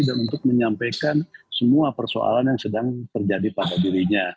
dan untuk menyampaikan semua persoalan yang sedang terjadi pada dirinya